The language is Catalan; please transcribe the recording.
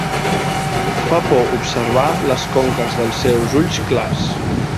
Fa por observar les conques dels seus ulls clars.